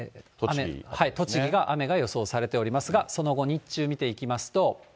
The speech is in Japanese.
栃木が雨が予想されておりますが、その後、日中見ていきますと。